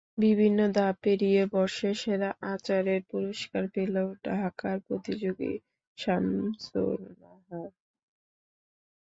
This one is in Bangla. বিভিন্ন ধাপ পেরিয়ে বর্ষসেরা আচারের পুরস্কার পেলেন ঢাকার প্রতিযোগী শামসুন নাহার।